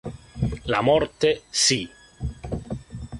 La morte, sì!